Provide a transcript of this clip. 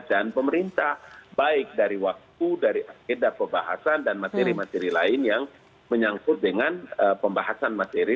dan pemerintah baik dari waktu dari akedah pembahasan dan materi materi lain yang menyangkut dengan pembahasan materi